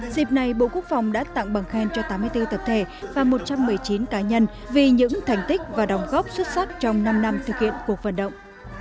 dịp này bộ quốc phòng đã tặng bằng khen cho tám mươi bốn tập thể và một trăm một mươi chín cá nhân vì những thành tích và đồng góp xuất sắc trong năm năm thực hiện cuộc vận động